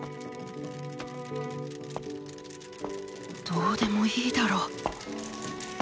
どうでもいいだろ